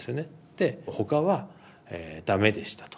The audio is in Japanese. で他は駄目でしたと。